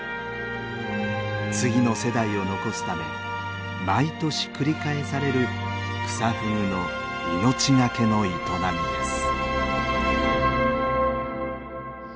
次の世代を残すため毎年繰り返されるクサフグの命懸けの営みです。